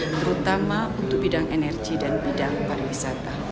terutama untuk bidang energi dan bidang pariwisata